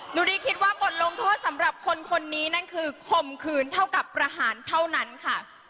หนูดีคิดว่าปฏิลงค์โทษสำหรับคนนี้นั่นคือคมคืนเท่ากับประหารเท่านั้นค่ะ